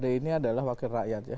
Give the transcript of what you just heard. d ini adalah wakil rakyat ya